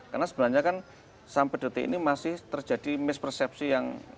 karena sebenarnya kan sampai detik ini masih terjadi mispersepsi yang ada